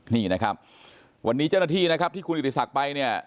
นี่นะครับวันนี้เจ้าหน้าที่นะครับที่คุณอิติศักดิ์ไปเนี่ย